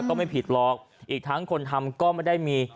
ก็ไม่ผิดหรอกอีกทั้งคนทำก็ไม่ได้มี